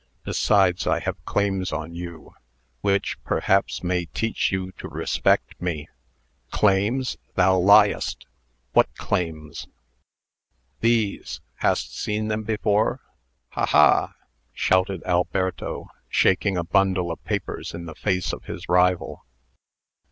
"Besides, I have claims on you, which, perhaps may teach you to respect me." "Claims! Thou liest! What claims?" "These! Hast seen them before? Ha! ha!" shouted Alberto, shaking a bundle of papers in the face of his rival.